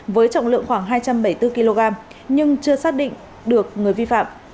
với trọng lượng khoảng hai trăm bảy mươi bốn kg nhưng chưa xác định được người vi phạm